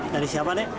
dari siapa nek